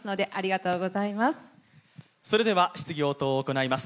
それでは質疑応答を行います。